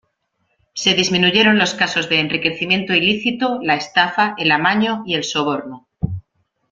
Se disminuyeron los casos de enriquecimiento ilícito, la estafa, el amaño y el soborno.